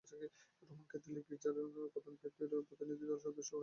Roman Catholic গির্জার প্রধান পোপের কাছে প্রতিনিধিদলের সদস্যও হয়েছিলেন।